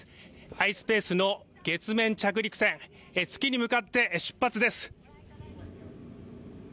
ｉｓｐａｃｅの月面着陸船、月に向かって出発です。